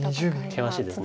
険しいです。